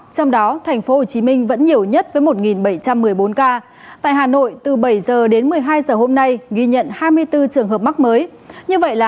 qua đến một mươi hai h hôm nay thành phố ghi nhận tổng cộng bốn mươi năm trường hợp mắc mới